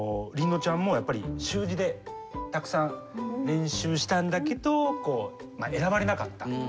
凛乃ちゃんもやっぱり習字でたくさん練習したんだけどこう選ばれなかったと。